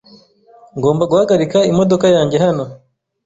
Ngomba guhagarika imodoka yanjye hano.